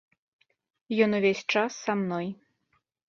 Ён увесь час са мной.